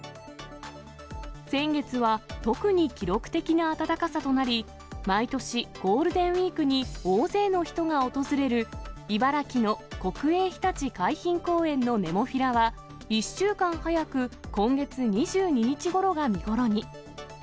先月は特に記録的な暖かさとなり、毎年ゴールデンウィークに大勢の人が訪れる茨城の国営ひたち海浜公園のネモフィラは、１週間早く、今月２２日ごろが見頃に。